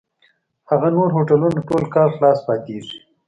هغه نور هوټلونه ټول کال خلاص پاتېږي.